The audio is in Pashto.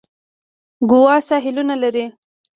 ګوا ساحلونه لري.